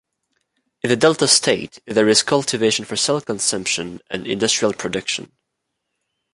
In the Delta State, there is cultivation for self-consumption and industrial production.